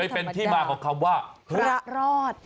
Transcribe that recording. เป็นที่มาของคำว่าพระรอด